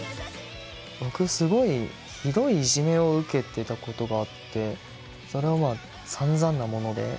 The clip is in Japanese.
僕すごいひどいいじめを受けてたことがあってそれはまあさんざんなもので。